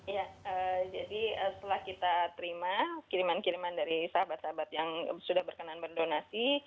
ya jadi setelah kita terima kiriman kiriman dari sahabat sahabat yang sudah berkenan berdonasi